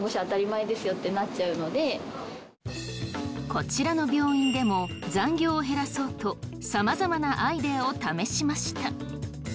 こちらの病院でも残業を減らそうとさまざまなアイデアを試しました。